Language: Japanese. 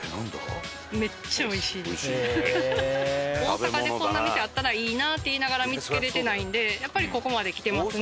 大阪でこんな店あったらいいなって言いながら見つけれてないんでやっぱり。